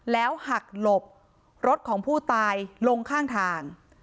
แล้วหักหลบรถของผู้ตายลงข้างทาง